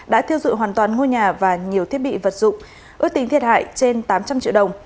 đã thiêu dụi hoàn toàn ngôi nhà và nhiều thiết bị vật dụng ước tính thiệt hại trên tám trăm linh triệu đồng